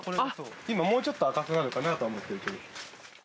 今、もうちょっと赤くなるかなとは思ってるけど。